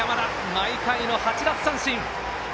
毎回の８奪三振。